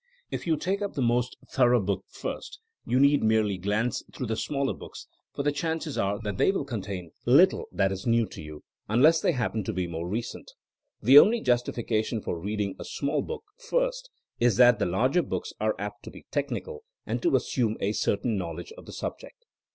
If you take up the most thorough book first you need merely glance through the smaller books, for the chances are THINKINO AS A 80IEN0E 153 that they will contain little that is new to you, unless they happen to be more recent. The only justification for reading a small book first is that the larger books are apt to be technical and to assume a certain knowledge of the subject.